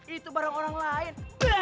itu barang orang lain